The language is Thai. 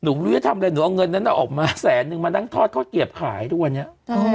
หนูยังไม่รู้จะทำเนี้ยหนูเอาเงินนั้นออกมาแสนนึงมานั่งทอดเข้าเกียบขายตัวเนี้ย